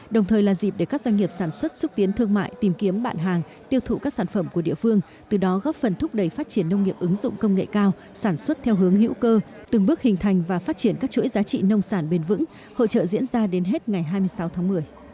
đồng thời là dịp để các doanh nghiệp sản xuất xúc tiến thương mại tìm kiếm bạn hàng tiêu thụ các sản phẩm của địa phương từ đó góp phần thúc đẩy phát triển nông nghiệp ứng dụng công nghệ cao sản xuất theo hướng hữu cơ từng bước hình thành và phát triển các chuỗi giá trị nông sản bền vững hội trợ diễn ra đến hết ngày hai mươi sáu tháng một mươi